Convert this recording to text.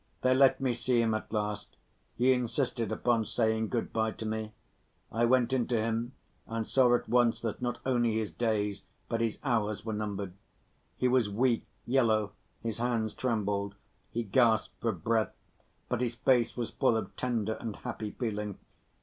They let me see him at last, he insisted upon saying good‐by to me. I went in to him and saw at once, that not only his days, but his hours were numbered. He was weak, yellow, his hands trembled, he gasped for breath, but his face was full of tender and happy feeling.